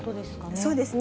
そうですね。